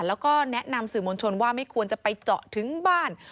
แล้วก็แนะนำสื่อมวลชนว่าไม่ควรจะไปเจาะถึงบ้าน